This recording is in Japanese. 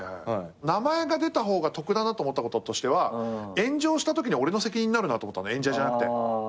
名前が出た方が得だなと思ったこととしては炎上したときに俺の責任になるなと思ったの演者じゃなくて。